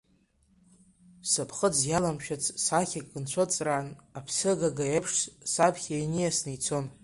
Сыԥхыӡ иаламшәац сахьак нцәыҵраан, аԥсыгага еиԥш саԥхьа иниасны ицон.